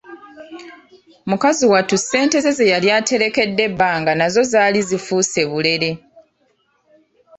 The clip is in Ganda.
Mukazi wattu ssente ze ze yali aterekedde ebbanga nazo zaali zifuuse bulere.